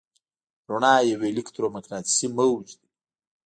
رڼا یو الکترومقناطیسي موج دی.